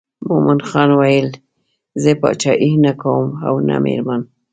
مومن خان ویل زه پاچهي نه کوم او نه مېرمن.